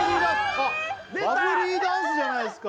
バブリーダンスじゃないですか！